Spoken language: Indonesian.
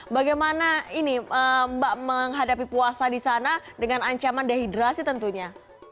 bagaimana ini mbak menghadapi puasa di sana dengan ancaman dehidrasi tentunya